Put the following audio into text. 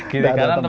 tidak ada tempat